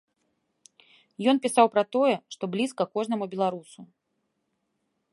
Ён пісаў пра тое, што блізка кожнаму беларусу.